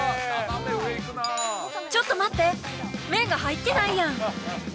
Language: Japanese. ちょっと待って、麺が入ってないやん。